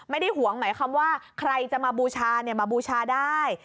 ไม่ได้ห่วงหมายคำว่าใครจะมาบูชามาบูชาได้